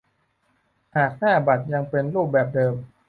หากหน้าบัตรยังเป็นรูปแบบเดิม